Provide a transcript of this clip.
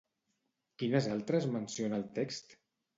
Quines altres menciona el text?